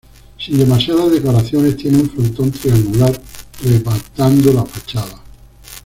Sin demasiadas decoraciones, tiene un frontón triangular rematando la fachada.